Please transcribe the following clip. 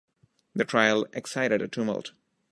The trial excited a tumult.